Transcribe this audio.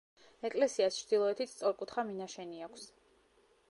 ეკლესიას ჩრდილოეთით სწორკუთხა მინაშენი აქვს.